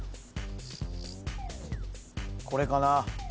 これかな。